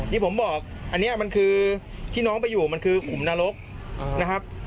ที่ผมบอกอันนี้มันคือที่น้องไปอยู่มันคือขุมนรกนะครับ